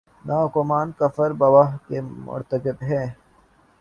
نہ حکمران کفر بواح کے مرتکب ہیں۔